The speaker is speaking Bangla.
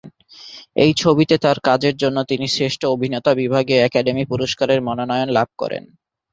এই ছবিতে তার কাজের জন্য তিনি শ্রেষ্ঠ অভিনেতা বিভাগে একাডেমি পুরস্কারের মনোনয়ন লাভ করেন।